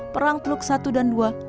perang teluk i dan ii